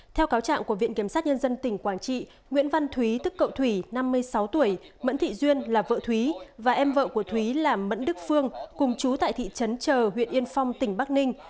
theo cáo trạng của viện kiểm sát nhân dân tỉnh quảng trị nguyễn văn thúy tức cậu thủy năm mươi sáu tuổi mẫn thị duyên là vợ thúy và em vợ của thúy là mẫn đức phương cùng chú tại thị trấn chờ huyện yên phong tỉnh bắc ninh